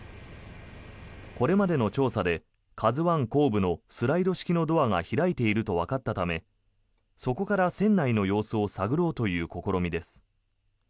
これまでの調査で「ＫＡＺＵ１」後部のスライド式のドアが開いているとわかったためそこから船内の様子を探ろうという試みです。